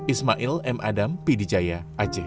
ismail m adam pidijaya aceh